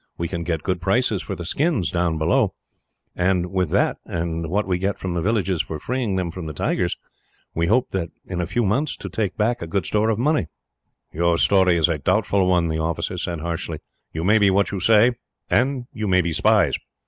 We can get good prices for the skins, down below; and with that, and what we get from the villages for freeing them from the tigers, we hope, in a few months, to take back a good store of money." "Your story is a doubtful one," the officer said, harshly. "You may be what you say, and you may be spies."